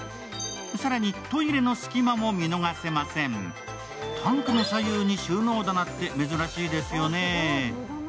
更に、トイレの隙間も見逃せませんタンクの左右に収納棚って珍しいですよね。